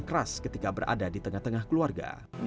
agus menjadi sosok yang keras ketika berada di tengah tengah keluarga